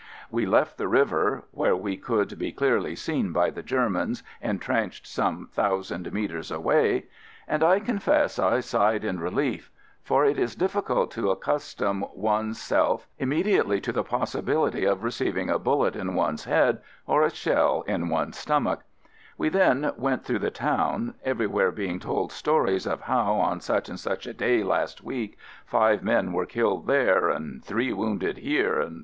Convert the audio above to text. We left the river (where we could be clearly seen by the Germans en trenched some thousand metres away), and I confess I sighed in relief — for it is difficult to accustom one's self immedi BRIDGE OVER MOSELLE AT PONT A MOUSSON TRENCH WORK FIELD SERVICE 7 ately to the possibility of receiving a bullet in one's head or a shell in one's stomach. We then went through the town, everywhere being told stories of how, on such and such a day last week, five men were killed there and three wounded here, etc.